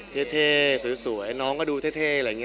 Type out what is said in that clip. ใจสวยน้องก็ดูเท่